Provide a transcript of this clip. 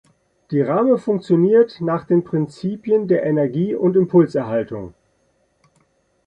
Die Ramme funktioniert nach den Prinzipien der Energie- und Impulserhaltung.